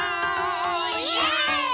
イエーイ！